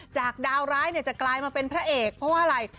จากดาวร้ายเนี่ยจะกลายมาเป็นพระเอกเพราะว่าอะไร